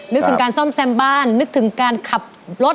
นึกถึงการซ่อมแซมบ้านนึกถึงการขับรถ